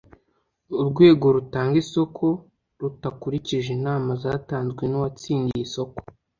urwego rutanga isoko rutakurikije inama zatanzwe n’uwatsindiye isoko;